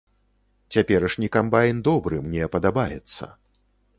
Цяперашні камбайн добры, мне падабаецца.